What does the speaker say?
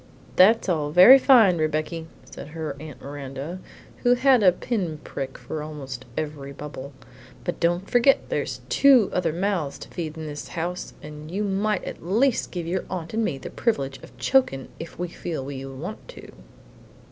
"That's all very fine, Rebecky," said her Aunt Miranda, who had a pin prick for almost every bubble; "but don't forget there's two other mouths to feed in this house, and you might at least give your aunt and me the privilege of chokin' if we feel to want to!"